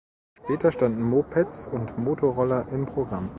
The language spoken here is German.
Später standen Mopeds und Motorroller im Programm.